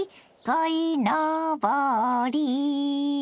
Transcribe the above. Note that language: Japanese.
「こいのぼり」